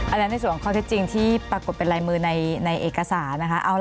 อันนั้นในส่วนข้อเท็จจริงที่ปรากฏเป็นรายมือในเอกสาร